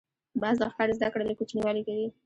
باز د ښکار زده کړه له کوچنیوالي کوي